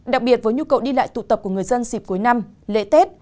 đặc biệt với nhu cầu đi lại tụ tập của người dân dịp cuối năm lễ tết